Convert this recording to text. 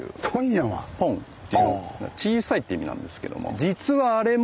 ポンっていう小さいって意味なんですけども実はあれも。